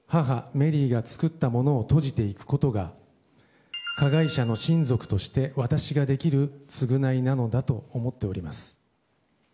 メリーが作ったものを作ったものを閉じていくことが加害者の親族として私ができる償いなのだと思っております。